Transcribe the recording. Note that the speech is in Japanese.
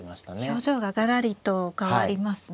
表情ががらりと変わりますね。